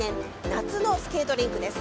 夏のスケートリンクです。